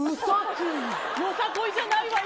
よさこいじゃないわよ。